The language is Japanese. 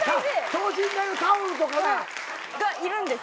等身大のタオルとかが。がいるんです。